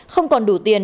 không còn đủ tiền